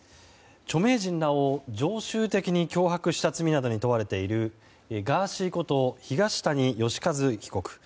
著名人らを常習的に脅迫した罪などに問われているガーシーこと東谷義和被告。